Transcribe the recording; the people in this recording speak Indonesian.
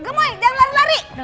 gemoy jangan lari lari